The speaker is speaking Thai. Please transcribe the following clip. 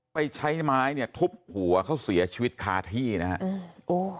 ไปใช้ไม้เนี่ยทุบหัวเขาเสียชีวิตคาที่นะฮะอืมโอ้